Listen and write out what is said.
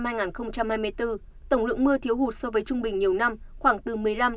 tháng năm hai nghìn hai mươi bốn tổng lượng mưa thiếu hụt so với trung bình nhiều năm khoảng từ một mươi năm ba mươi